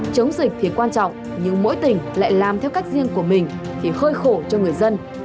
chống dịch thì quan trọng nhưng mỗi tỉnh lại làm theo cách riêng của mình thì hơi khổ cho người dân